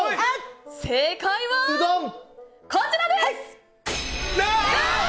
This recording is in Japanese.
正解は、こちらです！